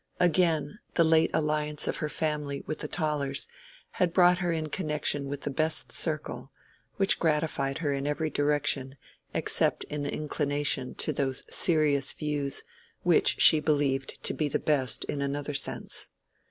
Again, the late alliance of her family with the Tollers had brought her in connection with the best circle, which gratified her in every direction except in the inclination to those serious views which she believed to be the best in another sense.